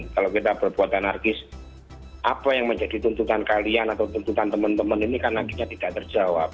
kalau kita berbuat anarkis apa yang menjadi tuntutan kalian atau tuntutan teman teman ini kan akhirnya tidak terjawab